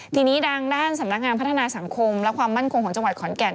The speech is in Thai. ทีนี้ทางด้านสำนักงานพัฒนาสังคมและความมั่นคงของจังหวัดขอนแก่น